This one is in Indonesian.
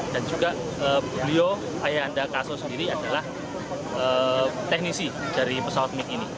dan juga beliau ayah anda kasau sendiri adalah teknisi dari pesawat mig ini